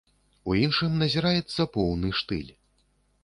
У іншым назіраецца поўны штыль.